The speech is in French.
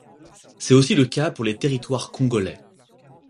C'est aussi le cas pour les territoires congolais.